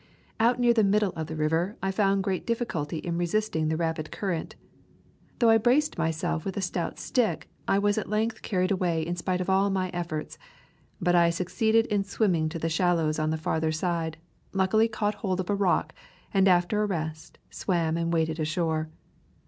Out near the middle of the river I found great difficulty in resisting the rapid current. Though I braced myself with a stout stick, I was at length carried away in spite of all my efforts. But I succeeded in swimming to the shallows on the farther side, luckily caught hold of a rock, and after a rest swam and waded ashore.